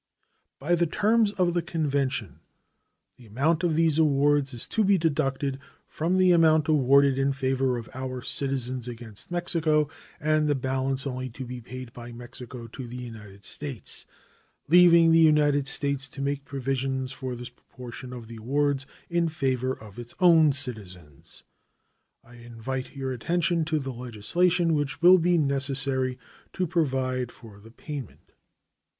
By the terms of the convention the amount of these awards is to be deducted from the amount awarded in favor of our citizens against Mexico, and the balance only to be paid by Mexico to the United States, leaving the United States to make provision for this proportion of the awards in favor of its Own citizens. I invite your attention to the legislation which will be necessary to provide for the payment.